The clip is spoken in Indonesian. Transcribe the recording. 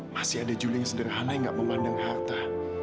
masih ada juli yang sederhana yang gak memandang harta